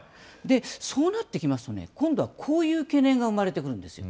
そうなってきますと、今度はこういう懸念が生まれてくるんですよ。